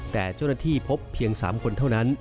แต่เจ้าหน้าที่พบเพียง๓คนเท่านั้น